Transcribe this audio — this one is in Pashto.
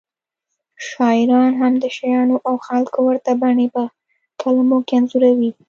شاعران هم د شیانو او خلکو ورته بڼې په کلمو کې انځوروي